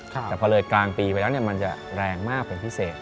แต่พอเลยกลางปีไปแล้วมันจะแรงมากเป็นพิเศษ